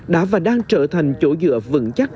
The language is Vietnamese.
đã và đang trở thành chỗ dựa vững chắc